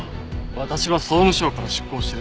私は総務省から出向してるんで。